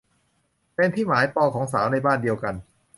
เป็นที่หมายปองของสาวในบ้านเดียวกัน